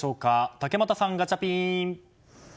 竹俣さん、ガチャピン！